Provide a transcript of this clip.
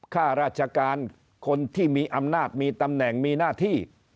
ข้าราชการคนที่มีอำนาจมีตำแหน่งมีหน้าที่